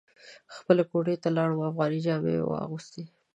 خپلې کوټې ته لاړم افغاني جامې مې واغوستې.